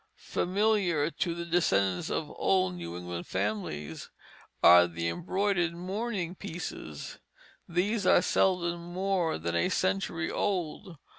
Familiar to the descendants of old New England families, are the embroidered mourning pieces. These are seldom more than a century old.